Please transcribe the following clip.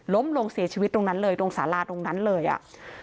ลงเสียชีวิตตรงนั้นเลยตรงสาราตรงนั้นเลยอ่ะ